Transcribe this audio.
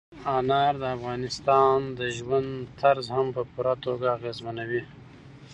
انار د افغانانو د ژوند طرز هم په پوره توګه اغېزمنوي.